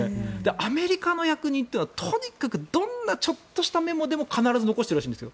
アメリカの役人というのはとにかくどんなちょっとしたメモでも必ず残しているらしいんですよ。